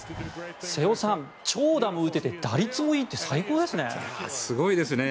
瀬尾さん、長打も打てて打率もいいって最高ですね。